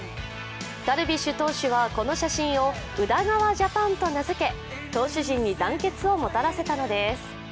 ダルビッシュ投手はこの写真を宇田川ＪＡＰＡＮと名付け投手陣に団結をもたらせたのです。